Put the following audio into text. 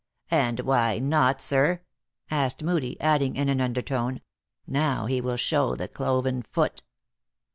"And why not, sir," asked Moodie, adding in an under tone. " Now he will show the cloven foot."